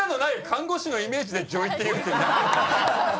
看護師のイメージで女医って言う人いない。